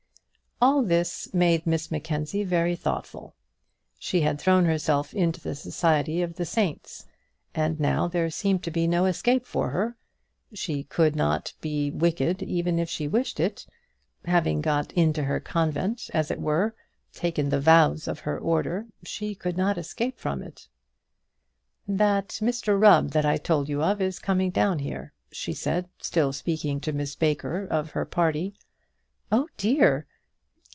All this made Miss Mackenzie very thoughtful. She had thrown herself into the society of the saints, and now there seemed to be no escape for her; she could not be wicked even if she wished it. Having got into her convent, and, as it were, taken the vows of her order, she could not escape from it. "That Mr Rubb that I told you of is coming down here," she said, still speaking to Miss Baker of her party. "Oh, dear!